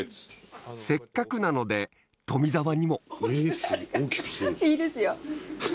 せっかくなので富澤にもいいですよ